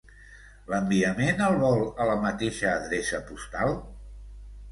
L'enviament el vol a la mateixa adreça postal?